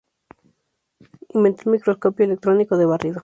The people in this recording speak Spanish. Inventó el microscopio electrónico de barrido.